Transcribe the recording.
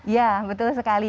ya betul sekali